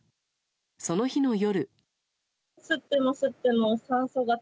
その日の夜。